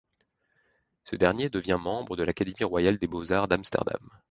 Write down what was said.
Ce dernier devient membre de l'académie royale des beaux-arts d'Amsterdam.